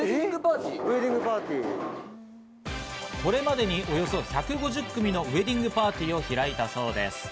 これまでにおよそ１５０組のウエディングパーティーを開いたそうです。